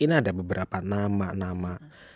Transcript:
ini ada beberapa nama nama